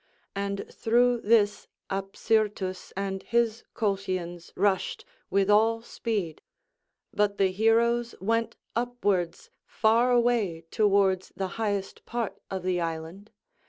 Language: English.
And through this Apsyrtus and his Colchians rushed with all speed; but the heroes went upwards far away towards the highest part of the island.